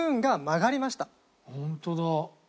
本当だ。